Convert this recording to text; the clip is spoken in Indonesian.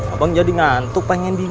abang jadi ngantuk pengen di